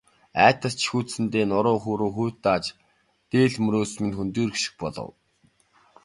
Айдас жихүүдсэндээ нуруу руу хүйт дааж, дээл мөрөөс минь хөндийрөх шиг болов.